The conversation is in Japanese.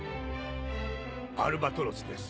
アルバトロスです。